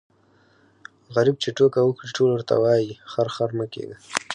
غريب چي ټوکه وکړي ټول ورته وايي خر خر مه کېږه.